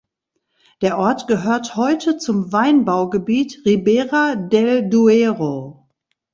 Der Ort gehört heute zum Weinbaugebiet "Ribera del Duero".